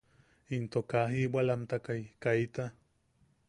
Into kaa jibwalamtakai, kaita.